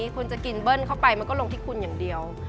คุณจะกินเบิ้ลเข้าไปมันก็ลงที่คุณอย่างเดียว